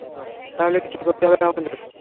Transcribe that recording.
তাহলে কী করতে হবে আমাদের?